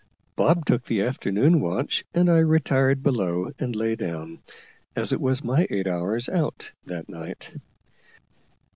Bob took the afternoon watch, and I retired below and lay down, as it was my eight hours out that night.